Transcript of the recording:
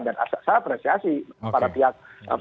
dan saya apresiasi pada pihak